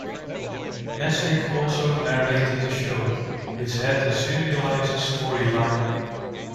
Messick also narrated the show, which had a serialized storyline.